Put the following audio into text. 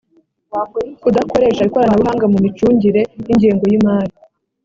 kudakoresha ikoranabuhanga mu micungire y ingengo y imari